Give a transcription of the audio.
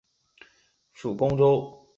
属恭州。